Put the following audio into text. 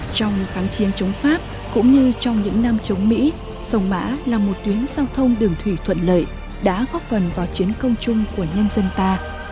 trong kháng chiến chống pháp cũng như trong những năm chống mỹ sông mã là một tuyến giao thông đường thủy thuận lợi đã góp phần vào chiến công chung của nhân dân ta